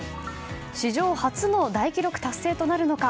史上初の大記録達成となるのか。